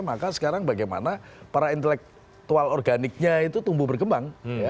maka sekarang bagaimana para intelektual organiknya itu tumbuh berkembang